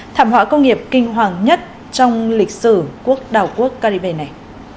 thảm họa công nghiệp kinh hoàng nhất trong lịch sử quốc đảo quốc caribe này